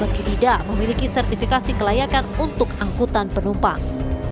meski tidak memiliki sertifikasi kelayakan untuk angkutan penumpang